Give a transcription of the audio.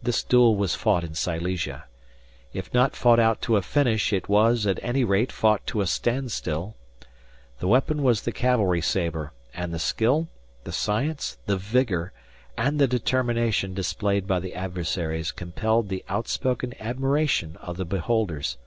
This duel was fought in Silesia. If not fought out to a finish, it was at any rate fought to a standstill. The weapon was the cavalry sabre, and the skill, the science, the vigour, and the determination displayed by the adversaries compelled the outspoken admiration of the beholders.